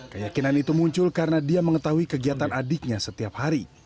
keyakinan itu muncul karena dia mengetahui kegiatan adiknya setiap hari